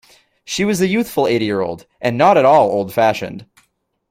She was a youthful eighty-year-old, and not at all old-fashioned.